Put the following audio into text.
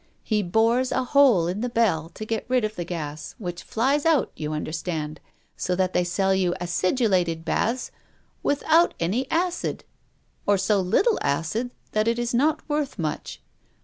He bores a hole in the bell to get rid of the gas, which flies out, you understand, so that they sell you acidulated baths without any acid, or so little acid that it is not worth much.